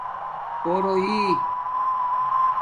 پُوروئئ